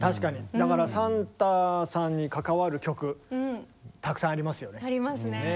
だからサンタさんに関わる曲たくさんありますよね。ありますね。